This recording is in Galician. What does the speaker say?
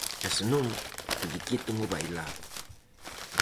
E senón, que lle quiten o bailado.